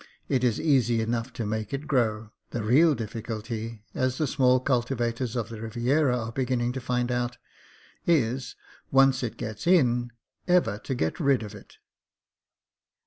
It is easy enough to make it grow : the real difficulty, as the small cultivators of the Riviera are beginning to find out, is, once it gets in, ever to get rid of it.